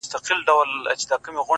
او ستا د ښكلي شاعرۍ په خاطر ـ